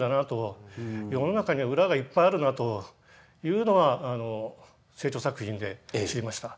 世の中には裏がいっぱいあるなというのは清張作品で知りました。